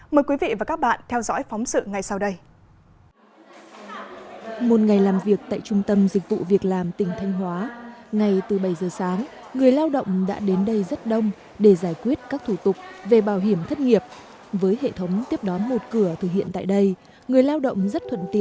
mời quý vị và các bạn theo dõi phóng sự ngay sau đây